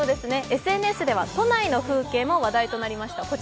ＳＮＳでは都内の風景も話題となりました。